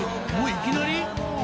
いきなり？